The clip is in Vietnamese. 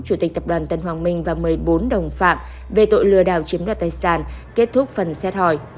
chủ tịch tập đoàn tân hoàng minh và một mươi bốn đồng phạm về tội lừa đảo chiếm đoạt tài sản kết thúc phần xét hỏi